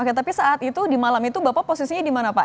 oke tapi saat itu di malam itu bapak posisinya di mana pak